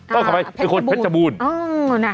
ต้องเข้าไปเป็นคนเพชรบูรน์